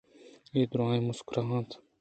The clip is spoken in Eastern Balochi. اے دُرٛاہ مسکرا اَنت